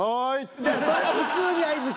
ちゃうそれは普通に相づち。